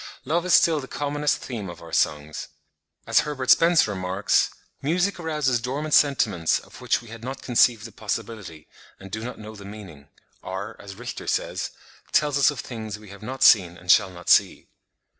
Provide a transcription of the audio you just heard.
Love is still the commonest theme of our songs. As Herbert Spencer remarks, "music arouses dormant sentiments of which we had not conceived the possibility, and do not know the meaning; or, as Richter says, tells us of things we have not seen and shall not see."